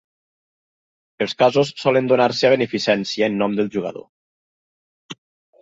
Els casos solen donar-se a beneficència en nom del jugador.